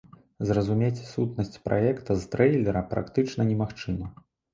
Зразумець сутнасць праекта з трэйлера практычна немагчыма.